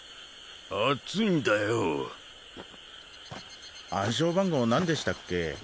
暑いんだよ暗証番号何でしたっけ？